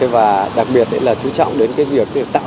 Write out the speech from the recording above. và đặc biệt là chú trọng đến việc tạo được tài khoản